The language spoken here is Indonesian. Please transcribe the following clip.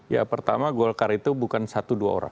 ya pertama golkar itu bukan satu dua orang